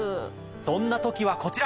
そんな時はこちら。